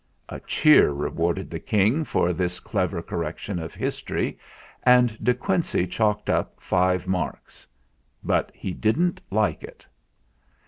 A cheer rewarded the King for this clever correction of history, and De Quincey chalked up five marks. But he didn't like it.